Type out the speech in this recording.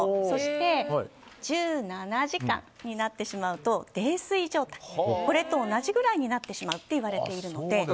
そして１７時間になってしまうと泥酔状態と同じくらいになってしまうといわれているので。